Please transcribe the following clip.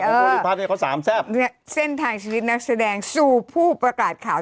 ภารกิจภาพเทวะสามแซ่บเนี้ยเส้นทางชีวิตนักแสดงสู่ผู้ประกาศข่าว